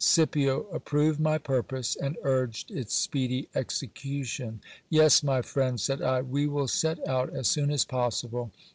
Scipio approved my purpose, and urged its speedy execution. Yes, my friend, said I, we will set out as soon as possible.